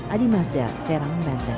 adi mazda serang banten